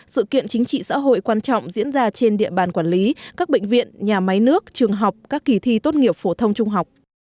sự kiện chính trị xã hội quan trọng diễn ra trên địa bàn quản lý các bệnh viện nhà máy nước trường học các kỳ thi tốt nghiệp phổ thông trung học